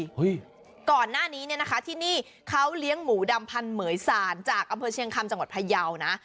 แต่ก่อนหน้านี้ที่นี่เขาเลี้ยงหมูดำพันธุ์เหม๋สานจากกำพันธุ์เชียงคำจังหวัดพะเยาว์